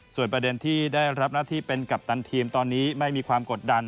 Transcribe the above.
ส่วนประเด็นที่ได้รับหน้าที่เป็นกัปตันทีมตอนนี้ไม่มีความกดดัน